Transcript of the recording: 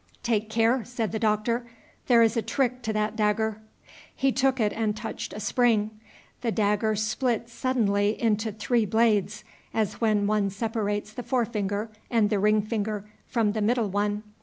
"Take care!" said the Doctor; "there is a trick to that dagger." He took it and touched a spring. The dagger split suddenly into three blades, as when one separates the forefinger and the ring finger from the middle one.